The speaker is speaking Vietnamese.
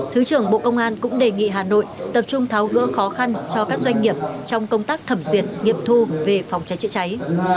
thứ trưởng bộ công an cũng đề nghị hà nội tập trung tháo gỡ khó khăn cho các doanh nghiệp trong công tác thẩm duyệt nghiệp thu về phòng cháy chữa cháy